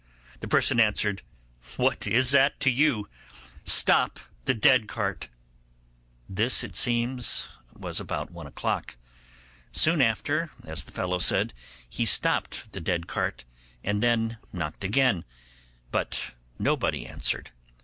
The person answered, 'What is that to you? Stop the dead cart.' This, it seems, was about one o'clock. Soon after, as the fellow said, he stopped the dead cart, and then knocked again, but nobody answered.